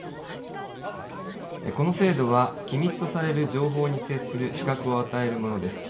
この制度は機密とされる接する資格に与えるものです。